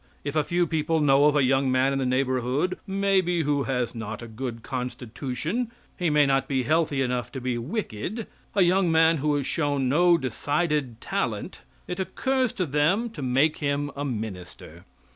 If a few people know of a young man in the neighborhood maybe who has not a good constitution, he may not be healthy enough to be wicked a young man who has shown no decided talent it occurs to them to make him a minister.